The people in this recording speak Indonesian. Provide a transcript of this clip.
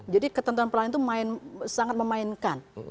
jadi ketentuan peralihan itu sangat memainkan